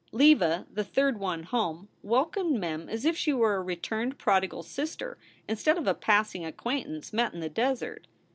Leva, the third one home, welcomed Mem as if she were a returned prodigal sister instead of a passing acquaintance met in the desert.